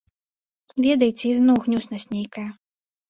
Ведаеце, ізноў гнюснасць нейкая.